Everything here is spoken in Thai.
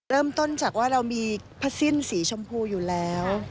เริ่มต้นจากว่าเรามีผ้าสิ้นสีชมพูอยู่แล้ว